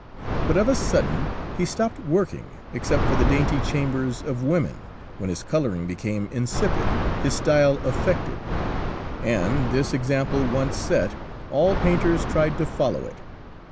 But of a sudden he stopped working except for the dainty chambers of women, when his colouring became insipid, his style affected; and, this example once set, all painters tried to follow it.